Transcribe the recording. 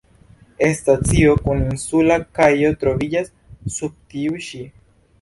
Stacio kun insula kajo troviĝas sub tiu ĉi.